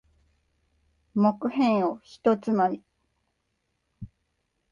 木片を一つまみ。